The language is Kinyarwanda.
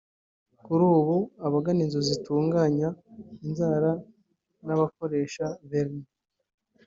Kuri ubu abagana inzu zitunganya inzara n’abakoresha vernis